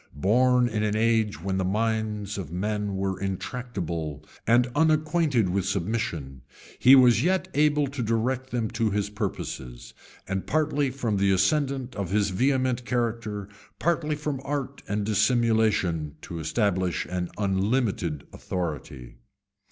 Born in an age when the minds of men were intractable, and unacquainted with submission, he was yet able to direct them to his purposes, and, partly from the ascendant of his vehement character, partly from art and dissimulation, to establish an unlimited authority.